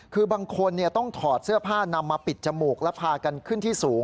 คือบางคนต้องถอดเสื้อผ้านำมาปิดจมูกและพากันขึ้นที่สูง